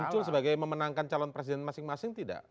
muncul sebagai memenangkan calon presiden masing masing tidak